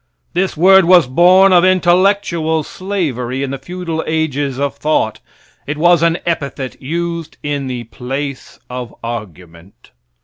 This word was born of intellectual slavery in the feudal ages of thought. It was an epithet used in the place of argument.